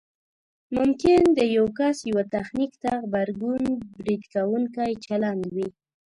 ممکن د یو کس یوه تخنیک ته غبرګون برید کوونکی چلند وي